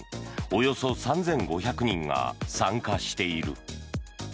およそ３５００人が参加している。